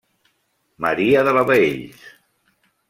Maria de la Baells.